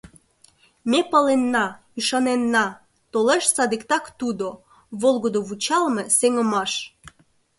Ме паленна, ӱшаненна: Толеш садиктак тудо — Волгыдо вучалме Сеҥымаш.